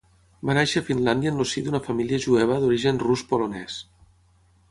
Va néixer a Finlàndia en el si d'una família jueva d'origen rus-polonès.